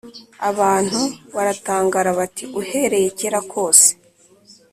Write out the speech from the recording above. abantu baratangara bati Uhereye kera kose